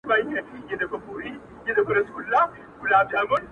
شعور او لاشعور نزدې والی ولري